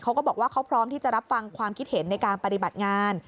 เขาก็บอกว่าเขาพร้อมที่จะรับฟังความคิดเห็นในการปฏิบัติงาน